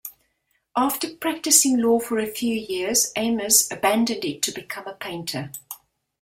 After practicing law for a few years, Ames abandoned it to become a painter.